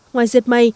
ngoài dệt may